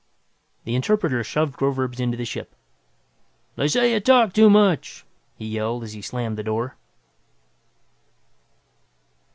The interpreter shoved Groverzb into the ship. "They say you talk too much!" he yelled, as he slammed the door.